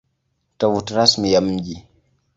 Tovuti Rasmi ya Mji